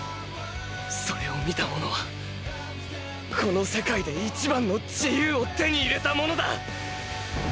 それを見た者はこの世界で一番の自由を手に入れた者だ